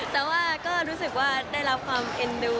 แต่ว่าก็รู้สึกว่าได้รับความเอ็นดู